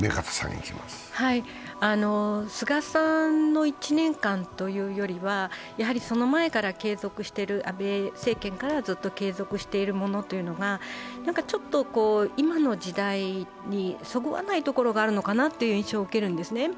菅さんの１年間というよりは、その前から安倍政権からずっと継続しているものというのが、ちょっと今の時代にそぐわないところがあるのかなという印象を受けるんですね。